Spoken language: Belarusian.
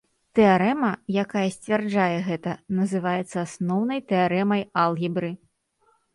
Тэарэма, якая сцвярджае гэта, называецца асноўнай тэарэмай алгебры.